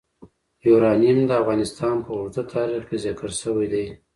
یورانیم د افغانستان په اوږده تاریخ کې ذکر شوی دی.